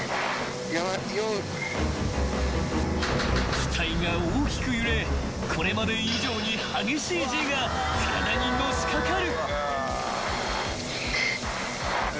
［機体が大きく揺れこれまで以上に激しいＧが体にのしかかる］